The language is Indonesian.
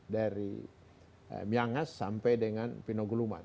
dari miangas sampai dengan pinaguluman